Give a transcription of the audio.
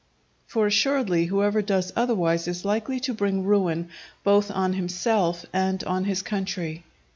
_" For assuredly whosoever does otherwise is likely to bring ruin both on himself and on his country.